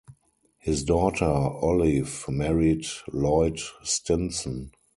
His daughter Olive married Lloyd Stinson.